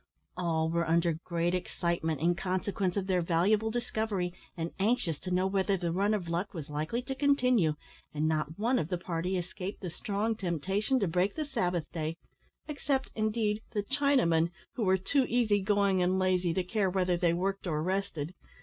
All were under great excitement in consequence of their valuable discovery, and anxious to know whether the run of luck was likely to continue, and not one of the party escaped the strong temptation to break the Sabbath day, except, indeed, the Chinamen, who were too easy going and lazy to care whether they worked or rested.